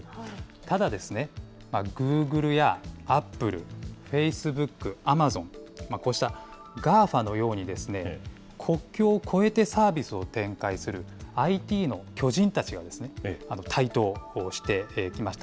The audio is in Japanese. ただですね、グーグルやアップル、フェイスブック、アマゾン、こうしたＧＡＦＡのようにですね、国境を越えてサービスを展開するＩＴの巨人たちがですね、台頭してきました。